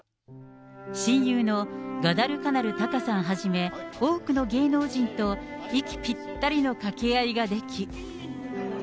親友のガダルカナル・タカさんはじめ、多くの芸能人と息ぴったりの掛け合いができ。